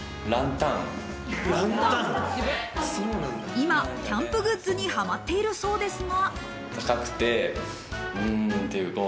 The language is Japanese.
今、キャンプグッズにはまっているそうですが。